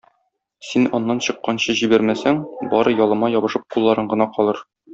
Син аннан чыкканчы җибәрмәсәң, бары ялыма ябышып кулларың гына калыр.